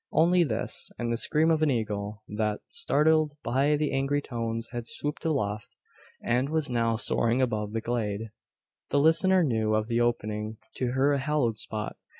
Only this, and the scream of an eagle, that, startled by the angry tones, had swooped aloft, and was now soaring above the glade. The listener knew of the opening to her a hallowed spot.